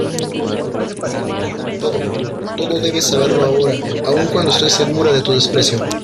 todo, todo debes saberlo ahora , aun cuando estoy segura de tu desprecio...